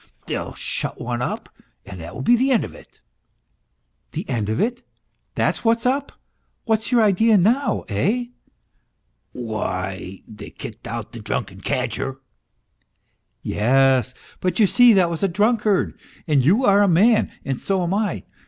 They'll shut one up and that will be the end of it ?"" The end of it ? That's what's up ? What's your idea now, eh?" " Why, they kicked out the drunken cadger." " Yes ; but you see that was a drunkard, and j ou are a man, and so am I."